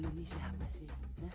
lu ini siapa sih